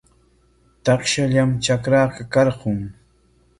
Takshallam trakraqa karqun.